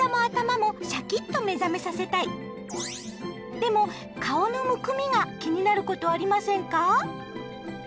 でも顔のむくみが気になることありませんか？